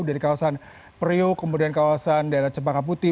dari kawasan priuk kemudian kawasan daerah cempaka putih